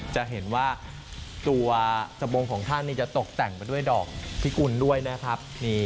จะเห็นว่าตัวสบงของท่านจะตกแต่งไปด้วยดอกพิกุลด้วยนะครับ